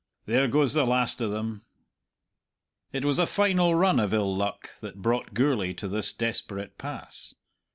There goes the last o' them." It was a final run of ill luck that brought Gourlay to this desperate pass.